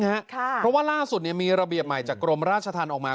เพราะว่าล่าสุดมีระเบียบใหม่จากกรมราชธรรมออกมา